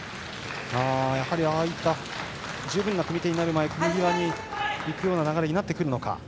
やはり、ああした十分な組み手になる前組み際に行くような流れになってくるのか。